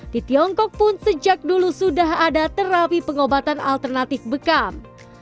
di tiongkok pun sejak dulu sudah ada terapi pengobatan alternatif bekam